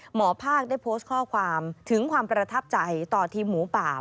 หมอภาคได้โพสต์ข้อความถึงความประทับใจต่อทีมหมูป่า